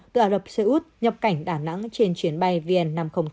từ ả rập xê út nhập cảnh đà nẵng trên chuyến bay vn năm nghìn tám mươi tám